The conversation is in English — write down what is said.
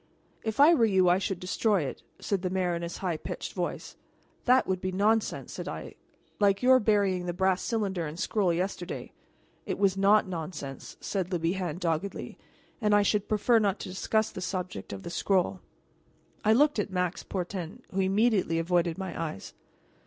"If I were you I should destroy it," said the mayor in his high pitched voice. "That would be nonsense," said I, "like your burying the brass cylinder and scroll yesterday." "It was not nonsense," said Le Bihan doggedly, "and I should prefer not to discuss the subject of the scroll." I looked at Max Portin, who immediately avoided my eyes.